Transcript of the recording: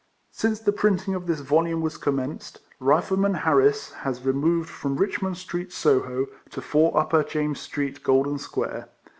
Since the printiug of thit. volume was comiiieaced, " Rifleman Harris" has removed from Richmond Street, Soho, to 4, Upper James Street, Golden Square.